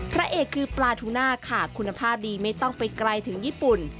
พระเอกคือปลาทูน่าค่ะคุณภาพดีไม่ต้องไปไกลถึงญี่ปุ่น